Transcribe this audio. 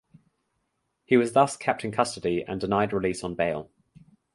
He was thus kept in custody and denied release on bail.